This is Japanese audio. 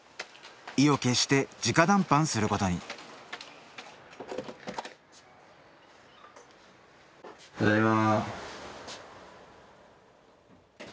意を決して直談判することにただいま。